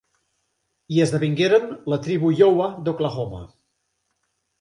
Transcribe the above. Hi esdevingueren la Tribu Iowa d'Oklahoma.